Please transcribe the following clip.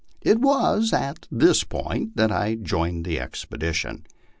It was at this point that I joined the expedition.